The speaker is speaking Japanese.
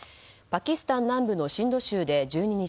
パキスタン南部のシンド州で１２日